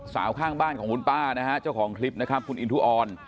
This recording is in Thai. ข้างบ้านของคุณป้านะฮะเจ้าของคลิปนะครับคุณอินทุออน